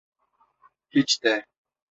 Hiç de.